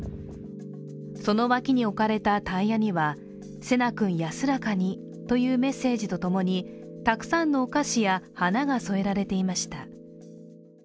その脇に置かれたタイヤには、成那君安らかにというメッセージと共にたくさんのお菓子や花が添えられていました。